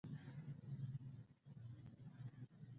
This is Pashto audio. احمد ډېر شته او دولت لري، ځکه په هر ځای کې داسې زرمستي کوي.